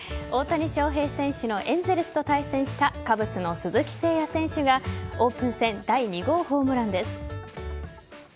大谷翔平選手のエンゼルスと対戦したカブスの鈴木誠也選手がオープン戦第２号ホームランです。